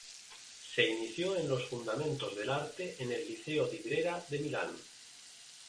Se inició en los fundamentos del arte en el Liceo Di Brera de Milán.